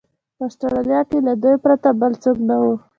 په اسټرالیا کې له دوی پرته بل څوک نه و.